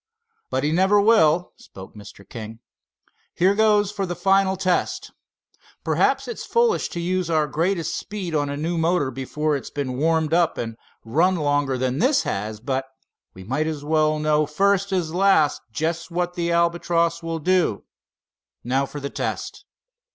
"But he never will," spoke Mr. King. "Here goes for the final test. Perhaps it's foolish to use our greatest speed on a new motor before it's been warmed up and run longer than this has, but we might as well know first as last just what the Albatross will do. Now for the test!"